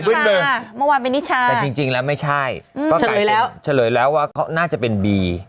เมื่อวานเป็นนิชาแต่จริงแล้วไม่ใช่ก็กลายเป็นเฉลยแล้วว่าเขาน่าจะเป็นบี